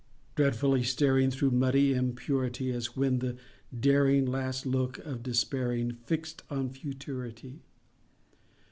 Dreadfully staring Through muddy impurity, As when with the daring Last look of despairing Fixed on futurity.